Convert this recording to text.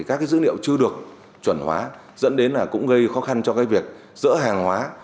các dữ liệu chưa được chuẩn hóa dẫn đến cũng gây khó khăn cho việc dỡ hàng hóa